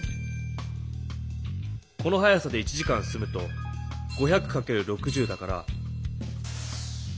この速さで１時間進むと５００かける６０だから。